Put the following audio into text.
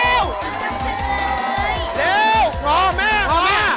เร็วพร้อมมาก